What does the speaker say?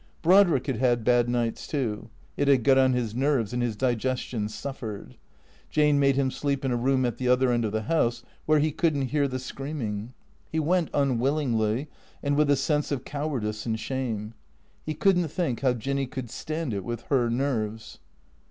Brodrick had had liad nights, too. It had got on his nerves, and his digestion suffered. Jane made him sleep in a room at the other end of the house where he could n't hear the scream ing. He went unwillingly, and with a sense of cowardice and sliame. He couldn't think how Jinny could stand it with her nerves.